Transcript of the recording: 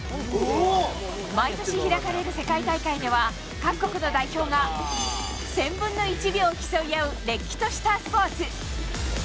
毎年開かれる世界大会では、各国の代表が１０００分の１秒を競い合うれっきとしたスポーツ。